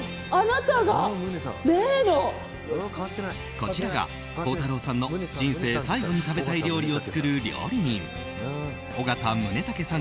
こちらが孝太郎さんの人生最後に食べたい料理を作る料理人尾形宗威さん